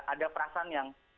ada perasaan yang